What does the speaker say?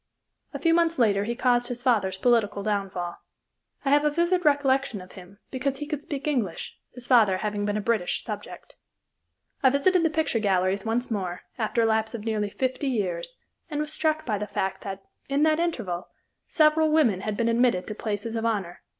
A few months later he caused his father's political downfall. I have a vivid recollection of him because he could speak English, his father having been a British subject. I visited the picture galleries once more, after a lapse of nearly fifty years, and was struck by the fact that, in that interval, several women had been admitted to places of honor.